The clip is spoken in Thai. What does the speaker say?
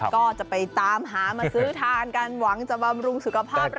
ก็จะไปตามหามาซื้อทานกันหวังจะบำรุงสุขภาพ